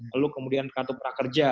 lalu kemudian kartu prakerja